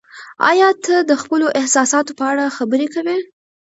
ایا ته د خپلو احساساتو په اړه خبرې کوې؟